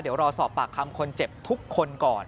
เดี๋ยวรอสอบปากคำคนเจ็บทุกคนก่อน